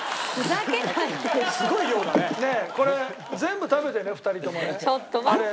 これ全部食べてね２人ともね。